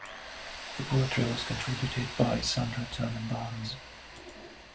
The poetry was contributed by Sandra Turner-Barnes.